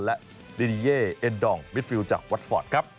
และดินิเย่เอ็นดองมิดฟิลจากวัดฟอร์ตครับ